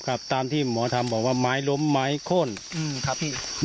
ครับตามที่หมอทำบอกว่าไม้ล้มไม้โค้นครับพี่